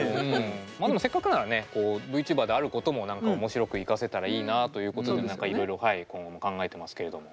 せっかくならねＶチューバーであることも何か面白く生かせたらいいなということで何かいろいろ今後も考えてますけれども。